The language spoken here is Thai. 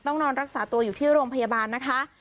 นอนรักษาตัวอยู่ที่โรงพยาบาลนะคะ